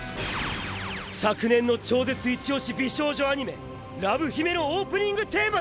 昨年の超絶イチオシ美少女アニメ「ラブ★ヒメ」のオープニングテーマだ！！